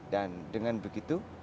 dan dengan begitu